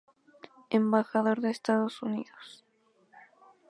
Embajador de Estados Unidos.